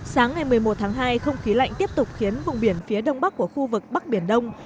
sáng ngày một mươi một tháng hai không khí lạnh tiếp tục khiến vùng biển phía đông bắc của khu vực bắc biển đông